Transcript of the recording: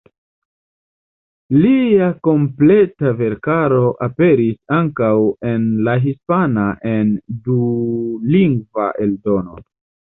Lia kompleta verkaro aperis ankaŭ en la hispana en dulingva eldono.